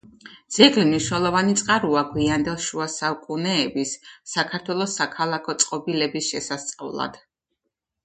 ძეგლი მნიშვნელოვანი წყაროა გვიანდელ შუა საუკუნეების საქართველოს საქალაქო წყობილების შესასწავლად.